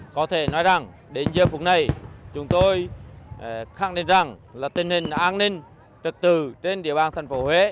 có thể nói rằng đến giờ phút này chúng tôi khẳng định rằng là tình hình an ninh chật tự trên địa bàn tp huế